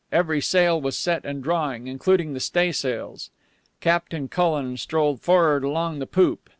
Every sail was set and drawing, including the staysails. Captain Cullen strolled for'ard along the poop.